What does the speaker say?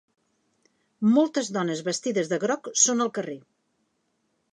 moltes dones vestides de groc són al carrer.